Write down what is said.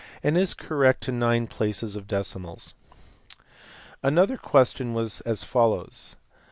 and is correct to nine places of decimals*, Another question was as follows.